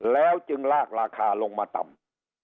แล้วจึงลากราคาลงมาต่ำ